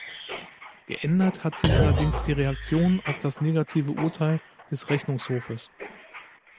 Geändert hat sich allerdings die Reaktion auf das negative Urteil des Rechnungshofes.